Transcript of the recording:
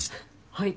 はい。